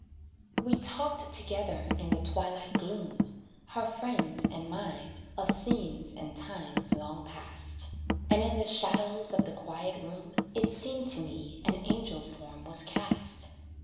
We talked together in the twilight gloom, Her friend and mine of scenes and times long past; And in the shadows of the quiet room, It seemed to me an angel form was cast.